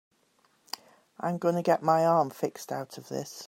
I'm gonna get my arm fixed out of this.